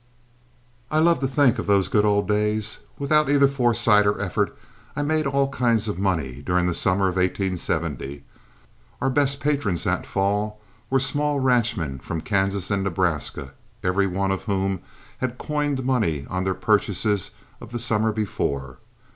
I love to think of those good old days. Without either foresight or effort I made all kinds of money during the summer of 1870. Our best patrons that fall were small ranchmen from Kansas and Nebraska, every one of whom had coined money on their purchases of the summer before.